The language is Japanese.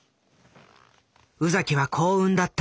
宇崎は幸運だった。